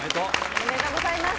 おめでとうございます。